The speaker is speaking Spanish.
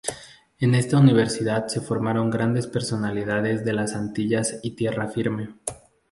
En esta universidad se formaron grandes personalidades de las Antillas y Tierra Firme.